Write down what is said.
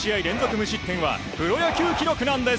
無失点はプロ野球記録なんです。